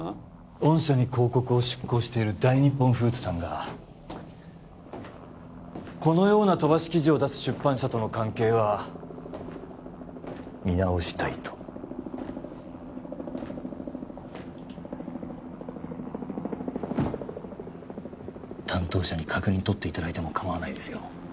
御社に広告を出稿している大日本フーズさんがこのような飛ばし記事を出す出版社との関係は見直したいと担当者に確認とっていただいても構わないですよ